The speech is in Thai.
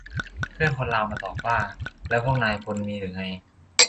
เพื่อนคนลาวมาตอบว่า แล้วพวกนายพลมีเหรอไง ?